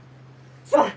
すまん！